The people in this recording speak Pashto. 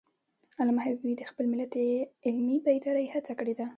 علامه حبیبي د خپل ملت د علمي بیدارۍ هڅه کړی ده.